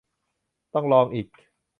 ต้องลองอีก